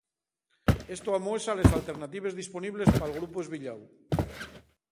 Esto amuesa les alternatives disponibles pal grupu esbilláu.